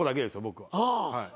僕は。